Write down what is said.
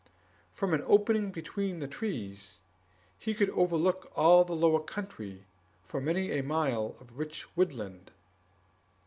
From an opening between the trees he could overlook all the lower country for many a mile of rich woodland.